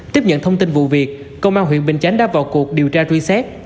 tiếp nhận thông tin vụ việc công an huyện bình chánh đã vào cuộc điều tra truy xét